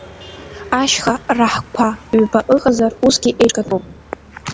Ашьха раҳқәа ҩба ыҟазар, усгьы еиҿгатәуп!